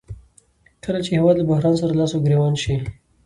کله چې هېواد له بحران سره لاس او ګریوان شي